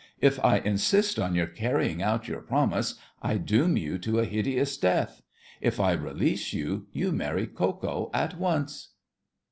If I insist on your carrying out your promise, I doom you to a hideous death; if I release you, you marry Ko Ko at once!